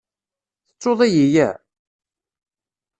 Tettuḍ-iyi ya?